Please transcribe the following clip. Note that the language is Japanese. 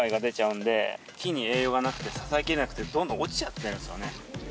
木に栄養がなくて支えきれなくてどんどん落ちちゃってるんですよね。